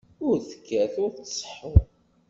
Ur tekkat ur tseḥḥu.